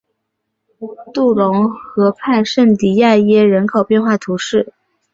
杜龙河畔圣迪迪耶人口变化图示